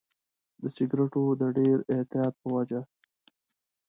د سیګریټو د ډېر اعتیاد په وجه.